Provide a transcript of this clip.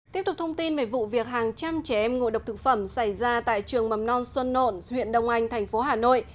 tiếp tục thông tin về vụ việc hàng trăm trẻ em ngộ độc thực phẩm xảy ra tại trường mầm non xuân nộn huyện đông anh thành phố hà nội